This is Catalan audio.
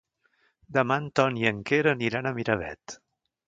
Demà en Ton i en Quer aniran a Miravet.